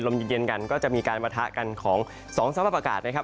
เย็นกันก็จะมีการประทะกันของสองสภาพอากาศนะครับ